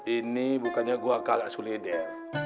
ini bukannya gue gak sulit ya